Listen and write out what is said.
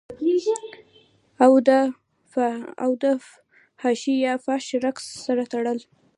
او دفحاشۍ يا فحش رقص سره تړل